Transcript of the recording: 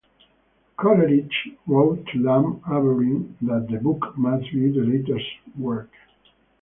Coleridge wrote to Lamb averring that the book must be the latter's work.